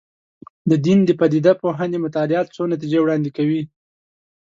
د دین د پدیده پوهنې مطالعات څو نتیجې وړاندې کوي.